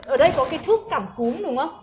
ở đây có cái thuốc cẳm cúm đúng không